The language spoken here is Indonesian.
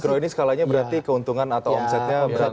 stro ini skalanya berarti keuntungan atau omsetnya berapa